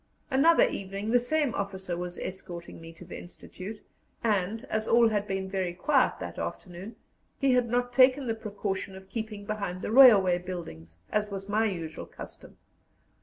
Another evening the same officer was escorting me to the institute, and, as all had been very quiet that afternoon, we had not taken the precaution of keeping behind the railway buildings, as was my usual custom.